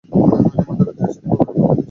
এইমাত্র ত্রিচি থেকে তার এখানে বদলি হয়েছে।